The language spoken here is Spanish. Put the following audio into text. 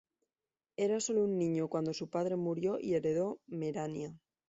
Era solo un niño cuando su padre murió y heredó Merania.